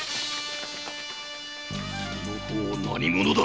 その方何者だ！